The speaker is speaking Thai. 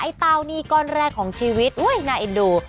ไอ้ตาวนี้ก้อนแรกของชีวิตน่าเอ็นดู